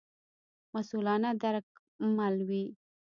مسوولانه درک مل وي.